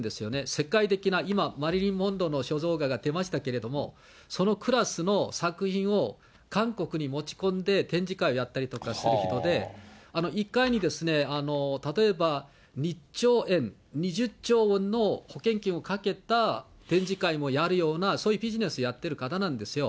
世界的な、今、マリリン・モンローの肖像画が出ましたけれども、そのクラスの作品を、韓国に持ち込んで展示会をやったりとかする人で、１回に例えば２兆円、２０兆ウォンの保険金をかけた展示会もやるような、そういうビジネスをやってる方なんですよ。